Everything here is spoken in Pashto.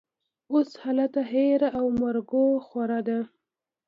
اوس هلته هېره او مرګوخوره ده